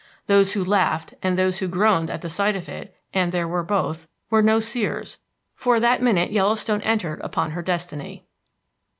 Those who laughed and those who groaned at sight of it, and there were both, were no seers; for that minute Yellowstone entered upon her destiny.